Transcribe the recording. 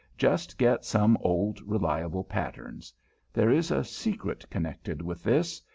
Just get some old, reliable patterns. There is a secret connected with this.